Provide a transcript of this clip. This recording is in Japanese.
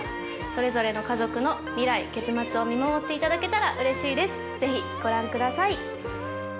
それぞれの家族の未来結末を見守っていただけたらうれしいですぜひご覧ください。